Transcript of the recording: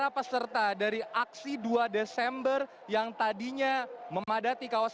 anda harus bekerja dengan sangat keras